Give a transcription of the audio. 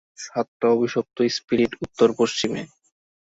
সাতটা অভিশপ্ত স্পিরিট উত্তর পশ্চিমে।